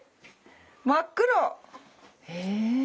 真っ黒。へ。